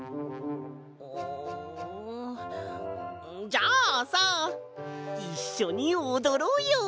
じゃあさいっしょにおどろうよ！